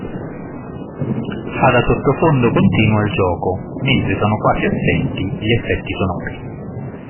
Fa da sottofondo continuo al gioco, mentre sono quasi assenti gli effetti sonori.